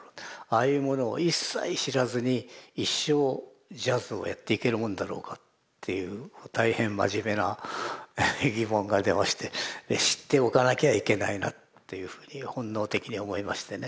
ああいうものを一切知らずに一生ジャズをやっていけるもんだろうかっていう大変真面目な疑問が出まして知っておかなきゃいけないなっていうふうに本能的に思いましてね。